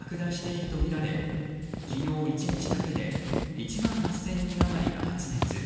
感染は今も急速に拡大しているとみられ昨日１日だけで１万８０００人余りが発熱。